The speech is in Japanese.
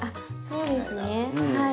そうですねはい。